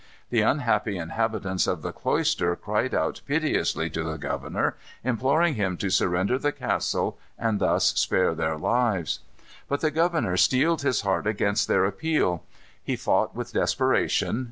The unhappy inhabitants of the cloister cried out piteously to the governor, imploring him to surrender the castle and thus spare their lives. But the governor steeled his heart against their appeal. He fought with desperation.